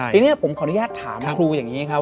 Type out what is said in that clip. ทีนี้ผมขออนุญาตถามครูอย่างนี้ครับ